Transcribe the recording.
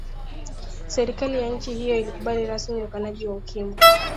serikali ya nchi hiyo ilikubali rasmi ukanaji wa ukimwi